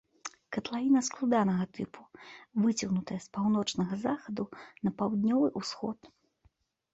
Катлавіна складанага тыпу, выцягнутая з паўночнага захаду на паўднёвы ўсход.